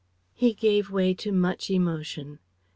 ] He gave way to much emotion.